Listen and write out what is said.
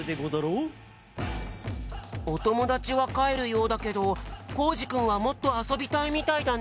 おともだちはかえるようだけどコージくんはもっとあそびたいみたいだね。